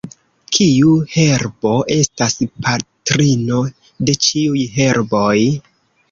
Kiu herbo estas patrino de ĉiuj herboj?